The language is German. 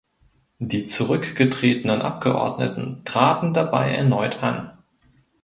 Die zurückgetretenen Abgeordneten traten dabei erneut an.